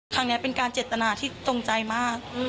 ครั้งนี้เป็นการเจตนาที่ตรงใจมาก